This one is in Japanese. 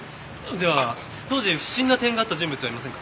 では当時不審な点があった人物はいませんか？